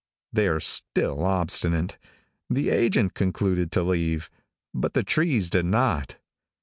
They are still obstinate. The agent concluded to leave, but the trees did not.